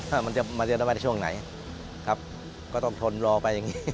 ว่ามันจะมาเจอกันในช่วงไหนครับก็ต้องทนรอไปอย่างนี้